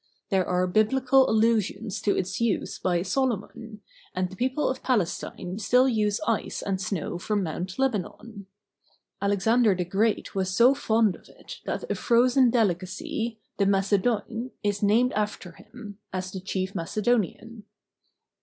There are Biblical allusions to its use by Solomon, and the people of Palestine still use ice and snow from Mount Lebanon. Alexander the Great was so fond of it that a frozen delicacy, the Macedoine, is named after him, as Vj the chief Macedonian.